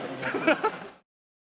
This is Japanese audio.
ハハハ。